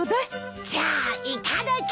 じゃあいただき。